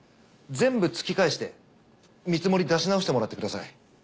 全部突き返して見積もり出し直してもらってください。